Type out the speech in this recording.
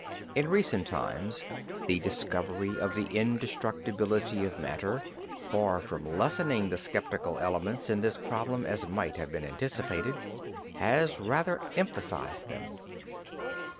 In recent times the discovery of the indestructibility of matter, far from lessening the skeptical elements in this problem as might have been anticipated, has rather emphasized them.